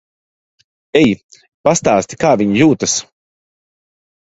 Ej. Pastāstīsi, kā viņa jūtas.